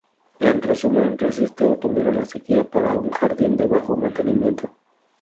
En resumen, resisten o tolera la sequía para un jardín de bajo mantenimiento.